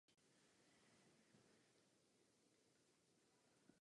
Byl synem vysokého úředníka.